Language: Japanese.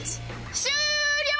終了！